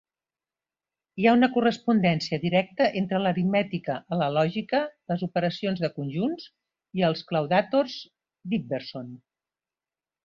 Hi ha una correspondència directa entre l'aritmètica a la lògica, les operacions de conjunts i els claudàtors d'Iverson.